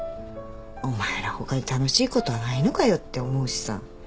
お前ら他に楽しいことはないのかよって思うしさ。